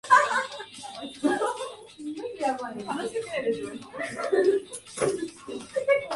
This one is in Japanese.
静岡県三島市